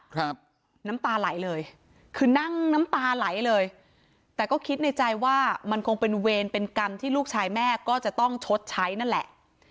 ครับน้ำตาไหลเลยคือนั่งน้ำตาไหลเลยแต่ก็คิดในใจว่ามันคงเป็นเวรเป็นกรรมที่ลูกชายแม่ก็จะต้องชดใช้นั่นแหละ